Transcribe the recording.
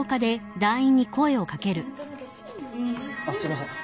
あっすいません。